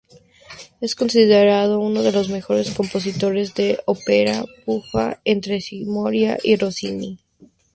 Es considerado uno de los mejores compositores de ópera bufa entre Cimarosa y Rossini.